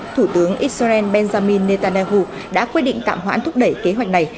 thủ tướng israel benjamin netanyahu đã quyết định tạm hoãn thúc đẩy kế hoạch này